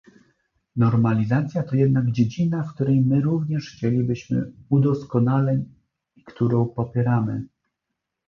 Normalizacja to jednak dziedzina, w której my również chcielibyśmy udoskonaleń i którą popieramy